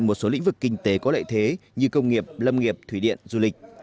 một số lĩnh vực kinh tế có lợi thế như công nghiệp lâm nghiệp thủy điện du lịch